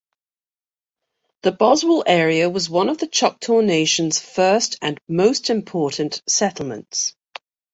The Boswell area was one of the Choctaw Nation's first and most important settlements.